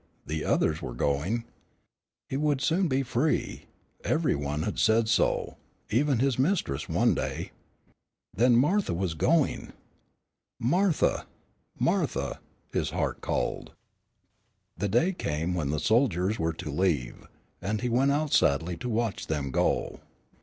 The others were going. He would soon be free. Every one had said so, even his mistress one day. Then Martha was going. "Martha! Martha!" his heart called. The day came when the soldiers were to leave, and he went out sadly to watch them go.